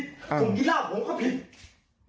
ถ้าผมกินเบียกินเหล้าผมก็ผิด